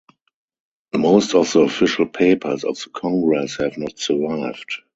Most of the official papers of the Congress have not survived.